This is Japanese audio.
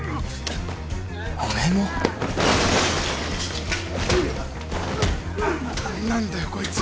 おめえも何なんだよこいつ。